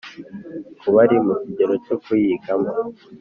ku bari mu kigero cyo kuyigamo